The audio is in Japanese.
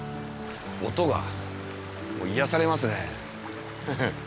音が癒やされますねフフッ。